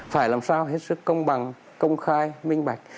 phải làm sao hết sức công bằng công khai minh bạch